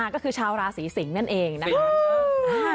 ก็คือชาวราศีสิงศ์นั่นเองนะคะ